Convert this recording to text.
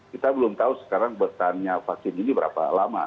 kita belum tahu sekarang bertanya vaksin ini berapa lama